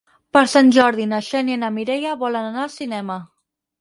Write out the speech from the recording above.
Per Sant Jordi na Xènia i na Mireia volen anar al cinema.